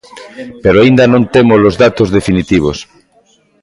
Pero aínda non temos os datos definitivos.